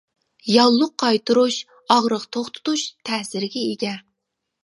ياللۇغ قايتۇرۇش، ئاغرىق توختىتىش تەسىرىگە ئىگە.